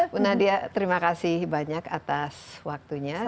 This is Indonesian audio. bu nadia terima kasih banyak atas waktunya